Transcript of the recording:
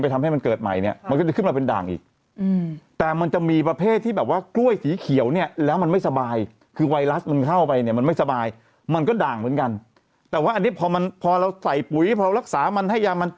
แต่ว่าอันนี้พอเราใส่ป๋วยพอเรารักษามันให้ยามัน